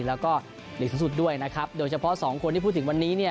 แล้วก็หลีกสูงสุดด้วยนะครับโดยเฉพาะสองคนที่พูดถึงวันนี้เนี่ย